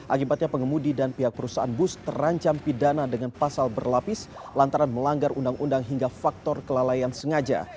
akibatnya pengemudi dan pihak perusahaan bus terancam pidana dengan pasal berlapis lantaran melanggar undang undang hingga faktor kelalaian sengaja